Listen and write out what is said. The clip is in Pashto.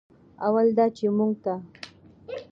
اول دا چې موږ ته